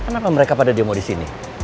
kenapa mereka pada demo di sini